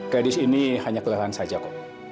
gadis ini hanya kelelahan saja kok